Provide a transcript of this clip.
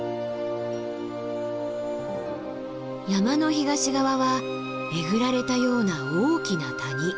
山の東側はえぐられたような大きな谷。